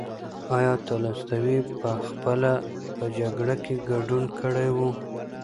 ایا تولستوی پخپله په جګړو کې ګډون کړی و؟